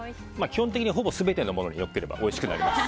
基本的にほぼ全てのものにのせればおいしくなります。